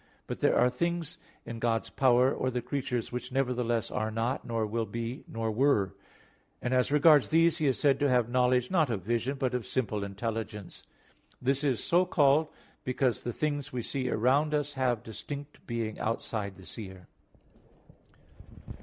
But there are other things in God's power, or the creature's, which nevertheless are not, nor will be, nor were; and as regards these He is said to have knowledge, not of vision, but of simple intelligence. This is so called because the things we see around us have distinct being outside the seer.